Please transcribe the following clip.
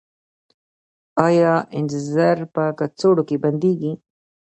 آیا انځر په کڅوړو کې بندیږي؟